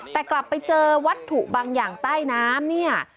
แต่กลับไปเจอวัตถุบางอย่างใต้น้ำเนี่ย